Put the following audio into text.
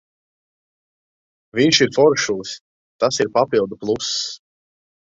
Viņš ir foršulis, tas ir papildu pluss.